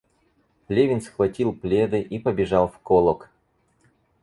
Левин схватил пледы и побежал в Колок.